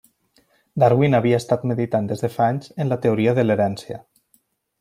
Darwin havia estat meditant des de fa anys en la teoria de l'herència.